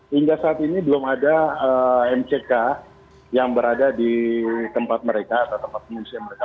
hingga saat ini belum ada mck yang berada di tempat mereka atau tempat pengungsian mereka